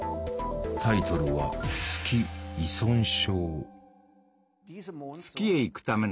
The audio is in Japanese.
タイトルは「月依存症」。